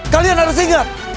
kalian harus ingat